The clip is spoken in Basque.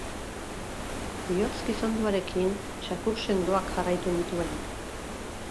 Bihotz gizonduarekin txakur sendoak jarraitu nituen.